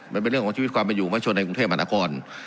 มันเป็นเรื่องของชีวิตความเป็นอยู่มาชนในกรุงเทพมหานคร